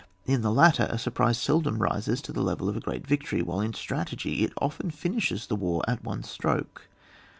In the latter, a surprise sel dom rises to the level of a great victory, while in strategy it often finishes the war at one stroke.